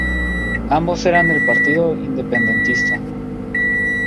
Ambos eran del partido independentista.